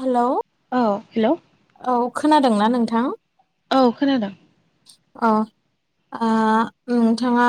Hello अ hello औ खोनादोंना नोंथां? औ खोनादों, अ आ नोंथाङा,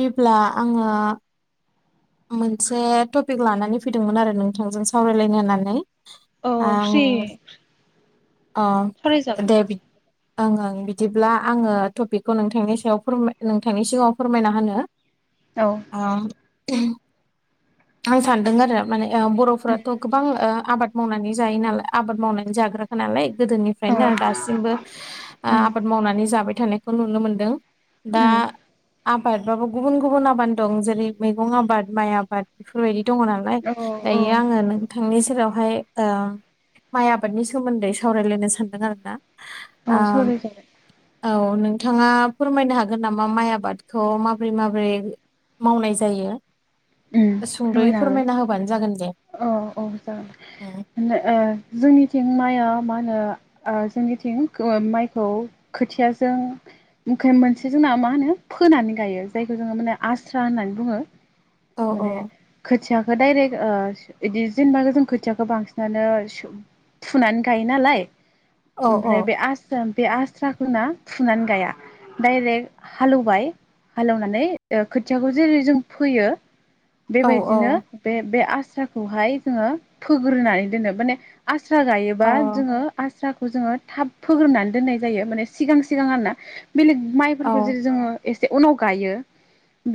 जेब्ला आङो मोनसे टपिक लानानै फैदोंमोन आरो नोंथांजों सावरायलायनो होननानै औ फ्रि आ सावरायजागोन दे बि ओं ओं बिदिब्ला आङो टपिकखौ नोंथांनि सायाव फोरमाय नोंथांनि सिगाङाव फोरमायना होनो। औ ओ आं सानदों आरो माने ओं बर'फोराथ' ओ गोबां आबाद मावनानै जायो नालाय आबाद मावनानै जाग्राखा नालाय औ गोदोनिफ्रायनो आरो दासिमबो आ उम आबाद मावनानै जाबाय थानायखौ नुनो मोनदों। दा उम आबादबाबो गुबुन गुबुन आबाद दं जेरै मैगं आबाद माइ आबाद बेफोरबायदि दङ नालाय औ औ दायो आङो नोंथांनि सेराव ओमफाय ओ माइ आबादनि सोमोन्दै सावरायलायनो सानदों आरो ना औ सावरायजागोन औ नोंथाङा फोरमायनो हागोन नामा माइ आबादखौ माबोरै माबोरै मावनाय जायो सुंद'यै फोरमायना होबानो जागोन दे अ औ उम जागोन दे ओ जोंनिथिं माया मा होनो ओ जोंनिथिं माइखौ खोथियाजों मखे मोनसे जोंना मा होनो फोनानै गायो जायखौ जोङो माने आस्रा होननानै बुङो। औ माने खो खोथियाखौ डाइरेक्ट ओ इदि जेनेबा जों खोथियाखौ बांसिनानो फुनानै गायो नालाय औ ओमफ्राय बे आस्रा बे आस्राखौ ना फुनानै गाया डाइरेक्ट हालौवबाय हालेवनानै ओ खोथियाखौ जेरै जों फोयो। औ बेबायदिनो बे बे आस्राखौहाय जोङो फोग्रोनानै दोनो माने आस्र स्रा औ गायोबा जोङो आस्रा खौ जोङो थाब फोग्रोनानै दोननाय जायो माने सिगां सिगां आर ना बेलेग औ अ आ माइफोरखौ जेरै जोङो एसे उनाव गायो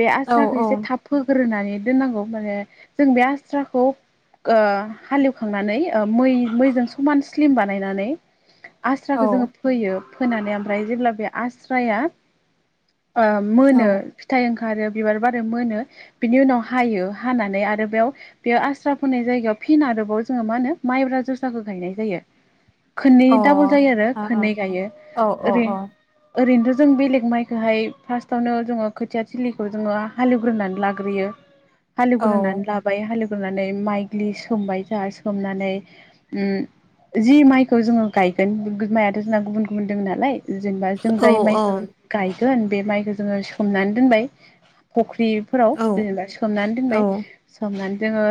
बे औ आस्राखौ एसे थाब फो ग्रोनानै दोननांगौ माने जों बे आस्राखौ ओ हालेवखांनानै मै मैजों समान स्लिम बानायनानै औ आस्राखौ जोंङो फोयो फोनानै ओमफ्राय जेब्ला बे आस्राया औ मोनो फिथाइ ओंखारो बिबार बारो मोनो बिनि उनाव हायो हानानै आरो बेयाव बेयाव आस्रा फोननाय जायगायाव फिन आरोबाव जोंङो मा होनो माइब्रा जोसाखौ गायनाय जायो। [inaudible] खोनै डाबल जायो आरो खोननै गायो ओरै ओरैनोथ' जों बेलेग माइखौहाय फार्स्टआवनो जोंङो खोथिया थिलिखौ जोंङो हालेवग्रोनानै लागोन। हालेवग्रोनानै लाबाय हाल सोनानै माइग्लि सोमबाय जोंहा सोमनानै ओम जि माइखौ जोंङो गायगोन माइआथ' जोंना गुबुन गुबुन दंङ नालाय जेनेबा जों जाय माइखौ गाय बे माइखौ जोंङो सोमनानै दोनबाय फख्रिफोराव जेनेबा सोमनानै औ दोनबाय सोमनानै जोंङो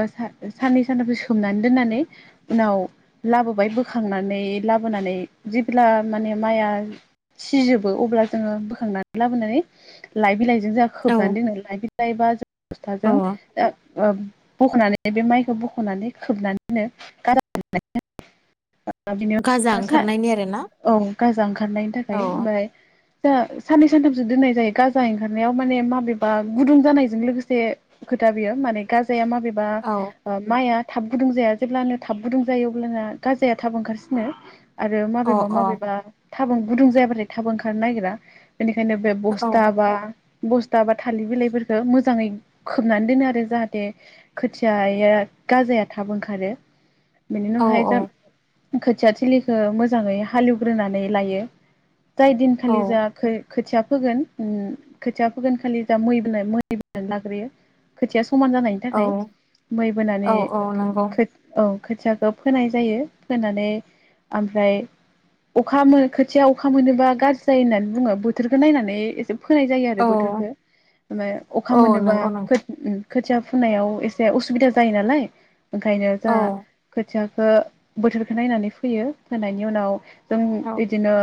साननै सानथैसो सोमनानै दोननानै उनाव लाबोबाय बोखांनानै लाबोनानै जेब्ला माने माइआ सिजोबो अब्ला जोंङो बोखांनानै लाबोनानै लाइ बिलाइ जा औ खोबनानै दोननो लाय बि लायबा जों बस्थाजों अ जा ओ बख'नानै बे माइखौ बख'नानै खोबनानैनो गारा बिनि औ गाजा ओंखारनायनि आरो ना गाजा ओंखारनायनि औ थाखाय ओमफ्राय जों साननै सानथामसो दोननाय जायो गाजा ओंखारनायाव माने माबेबा गुदुं जानायजों लोगोसे से खोथा बियो माने गाजाया माबेबा औ माइआ थाब गुदुं जाया जेब्लानो थाब गुदुं जायो अब्लाना गाजाया थाब ओंखारसिनो आरो अ औ माबेबा माबेबा थाब गुदुं जायाबाथाय थाबो ओंखारनो नागिरा बेनिखायनो बे औ बस्था बा बस्था बा थालिर बिलाइफोरखौ मोजांङै खोबनानै दोनो आरो जाहाथे खोथियाया गाजाया थाब ओंखारो बिनि औ उनावहाय दा खोथिया थिलिखौ मोजांङै हालेवग्रोनानै लायो। जाय औ दिनखालि जायाखै। खोथिया फोगोन खोथिया फोगोन खालि मै मैबोना लाग्रोयो खोथिया समान जानायनि थाखाय मै औ बोनानै औ नंगौ खो औ खोथियाखौ फोनाय जायो फोनानै ओमफ्राय अखा खोथिया अखा मोनोबा गाज्रि जायो होननानै बुंङो बोथोरखौ नायनानै एसे फोनाय जायो औ आरो बोथोरखौ ओ अखा औ मोनोबा नंगौ नोंथां खोथिया फुननायाव एसे असुबिदा जायो नालाय ओंखायनो औ जा खोथिया बोथोरखौ नायनानै फोयो फोनायनि उनाव जों औ बिदिनो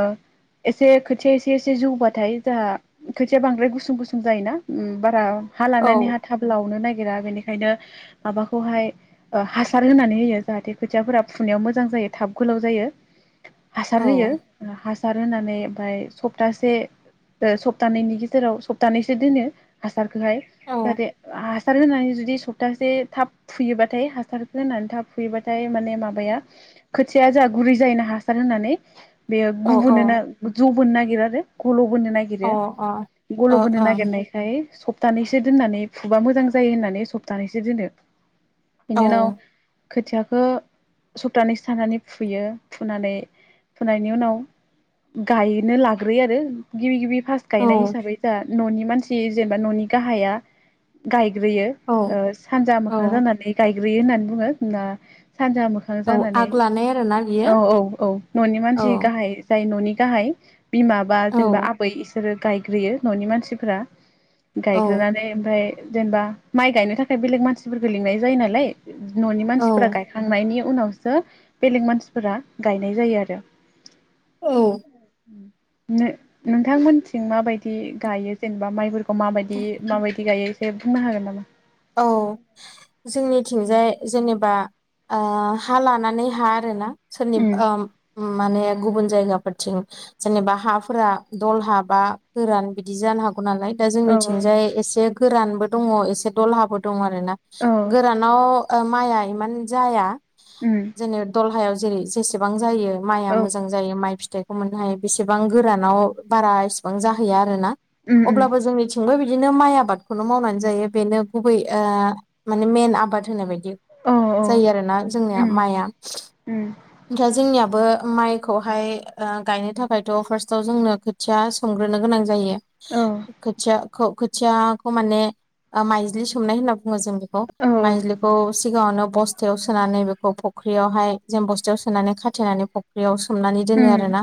एसे खोथिया एसे एसे जौबाथाय जाहा खोथिया बांद्राय गुसुं गुसुं जायोना बारा हा औ लानानै हा थाब लावनो नागिर बेनिखायनो माबाखौहाय हासार होनानै हो जाहाथे खोथियाफोरा फुनायाव मोजां ज थाब गोलाव जायो हासार औ होयो हासार होनानै ओमफफ्राय सप्तासे सप्तानैनि गेजेराव सप्तानैसो दोनो हासारखौहाय जाहाथे हासार होनानै जुदि सप्तासे थाब फुयोबाथाय हासार होनानै थाब फुयोबाथाय माने माबाया खोथिया जा गुरै जायोना हासार होननानै बेयो औ औ गुबुनो जबोनो नागिर आरो गल' गुबुनो अ नागिरो अ गल' बोनो नागिरनायखाय सपतानैसो से दोननानै फुबा मोजां जायो होननानै सप्तानैसो दोनो बेनि उनाव औ खोथियाखौ सप्तानैसो थानानै फुयो फुनानै फुनायनि उनाव गायनो लाग्रोयो आरो गिबि गिबि फार्स्ट गायनाय हिसाबै जा न'नि मानसि जेनेबा न'नि गाहाया गायो गायग्रोयो औ सानजा औ मोखां जानानै गायग्रोयो होननानै बुंङो सानजा मोखां औ जानानै आग लानाय आरोना बियो औ औ औ न'नि औ मानसि गाहाय जाय न'नि गाहाय बिमा बा औ जेनेबा आबै इसोरो गायग्रोयो न'नि मानसिफोरा औ गायग्रोनानै ओमफ्राय जेनेबा माइ गायनो थाखाय बेलेग मानसिफोरखौ लिंनाय जायो नालाय न'नि मानसिफोरा औ गायखांनायनि उनावसो बेलेग मानसिफोरा गायनाय जायो आरो औ नो नोंथांमोनथिं मा बायदि गायो जेनेबा माइफोरखौ खौ मा बायदि मा बायदि गायो एसे बुंनो हागोन नामा औ जोंनि थिंजाय जेनेबा हा लानानै हा आरो ना उम सोरनिबा ओ माने गुबुन जायगाफोरथिं जेनेबा हाफोरा दलहा बा गोरान बिदि जानो हागौ गौ नालाय दा औ जोंनिथिंजाय एसे गोरानबो दङ एसे दलहाबो दङ रोना औ गोरानाव माइआ इमान जाया उम दलहायाव जेरै जेसेबां जायो माइआ औ मोजां जायो माइ फिथाइ गौमोनहाय बेसेबां गोरानाव बारा इसेबां जाहैयो आरोना उम उम अब्लाबो जोंनिथिंबो बिदिनो माइ आबादखौनो मावनानै जायो बेनो गुबै ओ माने मेन आबाद होननाय बायदि औ औ जायो आरोना जोंनिया उम माइआ उम दा जोंनियाबो माइखौहाय ओ गायनो थाखायथ' फार्स्टआव जोंनो खोथिया संग्रोनो गोनां जायो औ खोथियाखौ खोथियाखौ माने माइज्लि सोमनाय होनना बुङो जों बेखौ औ माइज्लिखौ सिगांङावनो बस्थायाव सोनानै बेखौ फख्रियावहाय जों बस खाथियाव सोनानै खानानै फुख्रियाव सोमनानै दोनो आरो उम ना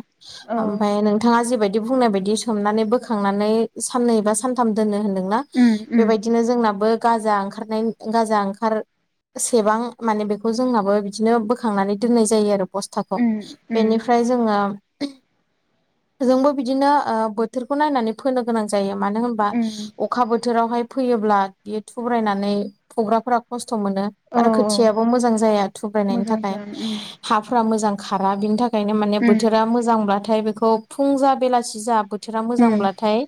औ ओमफाय नोंथाङा जे बाय बिदि बुंनाय बायदि सोमनानै बोखांनानै साननै बा सानथाम दोन होन ना उम बे उम बायदिनो जोंनाबो गाजा ओंखारनाय गाजा ओंखार सेबां माने बेखौ जोंनाबो बिदिनो बोखांनानै दोननाय जायो आरो बस्थाखौ उम उम बेनिफ्राय जोङो जोंबो बिदिनो ओ बोथोरखौ नायनानै फोनो गोनां जायो मानो होनबा उम अखा बोथोरावहाय फैयोब्ला बेयो थुब्रायनानै फग्राफोरा खस्थ' खसथ' मोनो औ आरो औ खोथियाबो मोजां जाया थुब्रायनायनि थाखाय मोजांसो उम हाफ्रा मोजां खारा बिनि थाखायनो माने उम बोथोरा मोजांब्लाथाय बेखौ फुं जा बेलासि जा बोथ बोथोरा उम मोजांब्लाथाय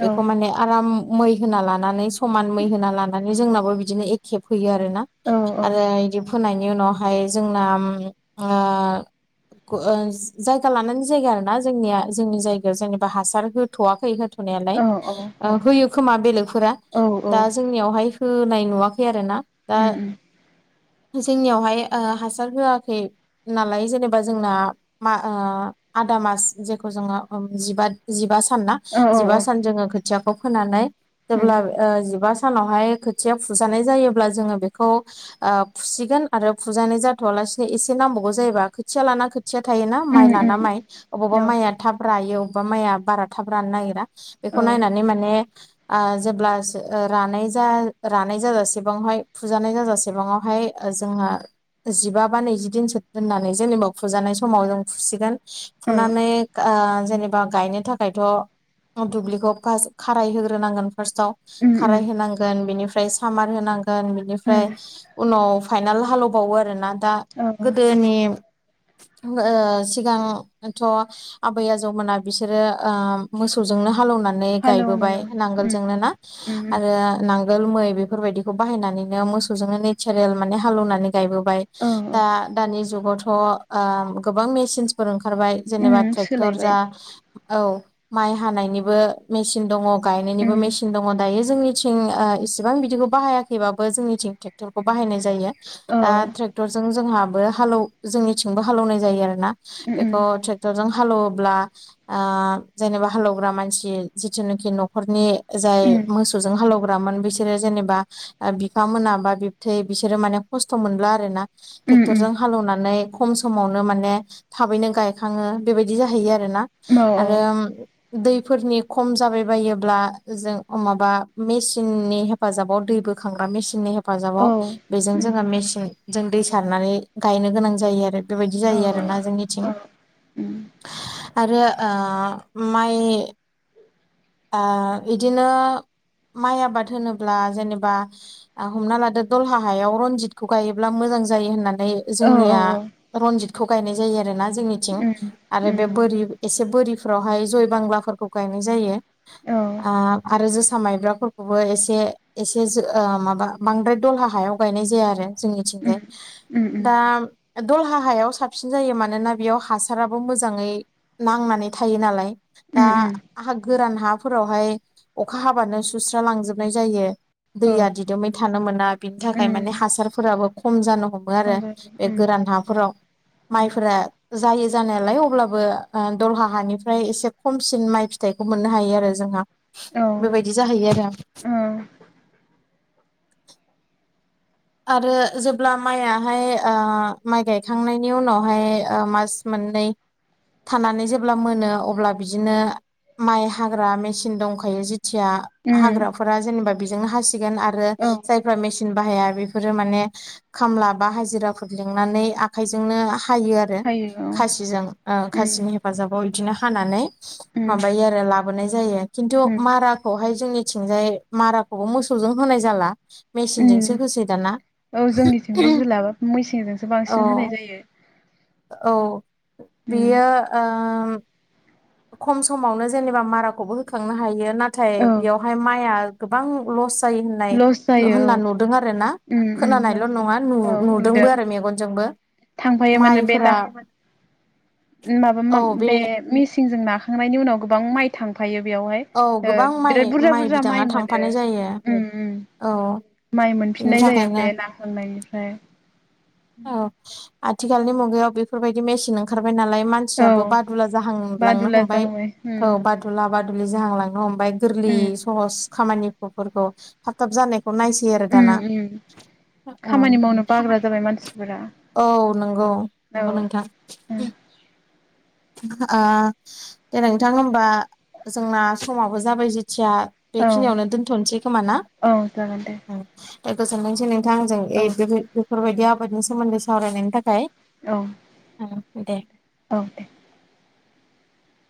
औ बेखौ माने आराम मै होना लानानै समान मै होना लानानै जोंनाबो बिदिनो एखेब फोयो आरो आरोना औ औ आरो इदि फोनायनि उनावहाय जोंना उम ओ ओ जायगा लानानै जायगा आरोना जोंनिया जोंनि जायगायाव जेनेबा हासार होथ'वाखै हो होनायालाय औ औ होयो खोमा बेलेगफोरा औ औ दा जोंनियावहाय होनाय नुवाखै आरो ना उम उम जोंनियावहाय ओ हासार होआ खै नालाय जेनेबा जोंना मा ओ आदा मास जेखौ जों जिबा जिबा सान ना औ औ जिबा औ सान जोङो खोथियाखौ फोनानै जेब्ला ओ जिबा सानावहाय खोथिया फुजानाय जायोब्ला जोङो बेखौ ओ फुसिगोन आरो फुजानाय जाथ'वलासे एसे नांबावगौ जायोबा खोथिया लाना खोथिया थायो ना माइ उम उम लाना माइ अबावबा उम माइआ थाब रायो बबेबा माइआ बारा थाब रानो नागिरा औ बेखौ नायनानै माने ओ जेब्ला रानाय रानाय जाजासेबांहाय फुजानाय जाजासेबांआवहाय जोङो जिबा बा नैजि दिनसो दोननानै जेनेबा फुजानाय समाव जों फुसिगोन औ फुनानै ओ जेनेबा बा गायनो थाखायथ' दुब्लिखौ फास खाराय होग्रोनांगोन फार्स्टआव उम उम खाराय होनांगोन बेनिफ्राय सामार होनांगोन गोन उम बिनिफ्राय उनाव फाइनाल हालेवबावो आरोना दा औ गोदोनि [inaudible] ओ सिगांथ' आबै आजौमोना बिसोरो ओ मोसौजोंनो हालौनानै हालेवोमोन गायबोबाय औ नांगोलजोंनो उम ना उम आरो नांगोल मै बेफोरबायदिखौ बाहायनानैनो मोसौजोंनो नेचारेल माने हालौवनानै गायबोबाय औ औ दा दानि जुगावथ' ओ गोबां मेसिनसफोर ओंखार ओंखारबाय जेनेबा उम ट्रेक्टर सोलायबाय जा औ माइ हानायनिबो मेचिन दङ गायनायनिबो उम मेसिन दङ दायो जोंनि थिं ओ इसिबां बिदिखै बाहायाखैबाबो जोंनिथिं ट्रेक्टरखौ बाहायनाय जायो औ आ ट्रेक्टर जोंहाबो हालौ जोंनिथिंबो हालौनाय जायो आरो ना उम बेखौ ट्रेक्टरजों हालेवोब्ला ओ जेनेबा हालौवग्रा मानसि जिथुनिखि न'खरनि जाय उम मोसौजों हालौग्रामोन बेस बिसोरो जेनेबा बिफा मोना बा बिबथै बिसोरो माने खस्थ' मोनला आरो ना उम ट्रेक्टरजों उम हालेवनानै खम समावनो माने थाबैनो गायखाङो बेबायदि जाहैयो आरोना औ आरो दैफोरनि खम जाबाय बायोब्ला जों माबा मेसिननि हेफाजाबाव दैबो खांग्रा मेसिननि औ हेफाजाबाव बेजों उम जोङो मेसिनजों दै सारनानै गायनो गोनां जायो आरो बेबायदि औ जायो औ आरोना जोंनिथिं उम आरो ओ माइ ओ बिदिनो माइ आबाद होनोब्ला जेनेबा हमना लादो दलहा हायाव रनजितखौ गायोब्ला मोजां मोजां जायो होननानै नै औ औ जोंनिया औ रनजितखौ गायनाय जायो आरोना जोंनिथिं उम आरो बे उम बोरि एसे बोरिफ्रावहाय जय बांलाफोरखौ गायनाय जायो औ ओ आरो जो माइब्राफोरखौबो एसे एसे ओ माबा बांद्राय दलहा हायाव गायनाय जाया आरो। उम जोंनिथिंजाय उम उम दा दलहा हायाव साबसिन जायो मानोना बेयाव हासाराबो मोजाङै नांनानै थायो नालाय। दा उम उम हा गोरान हाफोरावहाय अखा हाबानो सुस्रा लांजोबनाय जायो। औ दैया दिदोमै थानो मोना बिनि थाखाय उम माने हासारफोराबो खम जानो हम मो आरो ओमफ्राय बे उम गोरान हाफोराव उम माइफोरा जायो जानायालाय अब्लाबो ओ दलहा हानिफ्राय एसे खमसिन माइ फिथाइखौ मोननो हायो आरो जोंहा औ बेबायदि जाहैयो आरो। औ आरो जेब्ला माइयाहाय ओ माइ गायखांनायनि उनावहाय ओ मास मोन नै थानानै जेब्ला मोनो अब्ला बिदिनो माइ हाग्रा मेचिन दंखायो जि थिया उम हाग्राफोरा जेनेबा बेजोंनो हासिगोन आरो औ जायफ्रा मेसिन बाहाया बे फोरो माने खामला बा हाजिराफोर लिंनानै आखाइजोंनो हायो आरो हायो औ खासिजों ओ उम खासिनि हेफाजाबाव बिदिनो हानानै उम माबायो आरो लाबोनाय जायो खिन्थु उम माराखौहाय जोंनि थिंजाय माराखौबो मोसौजों होनाय जाला मेचिनजोंसो उम होसै दाना औ जोंनिथिंबो होला मेसिनजोंसो औ बांसिन होनाय जायो। औ उम बियो ओ खम समावनो जेनेबा माराखौबो होखांनो हायो नाथाय औ बेयावहाय माइआ गोबां लस जायो होननाय लस जायो औ होनना नुदों आरो ना। उम उम लस खोनानायल' नङा नु-नुदोंबो आरो मेगनजोंबो। थांफायोमो बे ना माइफोरा माबा मा बे मेचनजों नाखांनायनि उनाव गोबां माइ थांफायो बेयावहाय औ ओ गोबां माइ बेराद बुरजा माइ बुरजा माय बिदाङा मोनो थांफानाय जायो उम उम औ माइ बेनि मोनफिननाय जायो थाखायनो बे नाखांनायनिफ्राय औ आथिखालनि मुगायाव बेफोरबायदि मेसिन ओंखार बाय नालाय औ मानसियाबो बादुला जाहां लांनो बादुला हमबाय जाबाय उम औ बादुला बादुलि जाहां लां नो हमबाय गोरलै उम सहस खामानिफोरखौ थाब थाब जानाय खौ नायसै आरो उम दाना उम ओ खामानि मावनो बाग्रा जाबाय मानसिफोरा औ नंगौ औ नंगौ नोंथां उम ओ दे नोंथां होमबा जोंना समावबो जाबाय जे थिया औ बेखिनियावनो दोन्थ'नोसै खोमा ना? औ जागोन दे [unintelligible] गोजोनथोंसै नोंथां जों औ बेफोरबायदि आ बादनि सोमोन्दै सावरायनायनि थाखाय। औ दे औ दे।